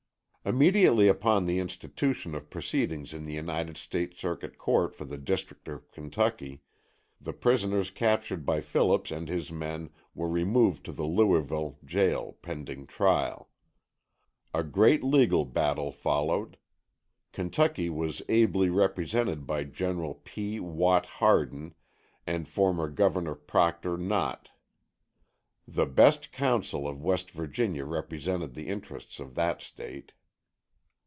Immediately upon the institution of proceedings in the United States Circuit Court for the District of Kentucky, the prisoners captured by Phillips and his men were removed to the Louisville jail pending trial. A great legal battle followed. Kentucky was ably represented by General P. Watt Hardin and former Governor Proctor Knott. The best counsel of West Virginia represented the interests of that State.